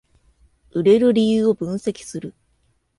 売れる理由を分析する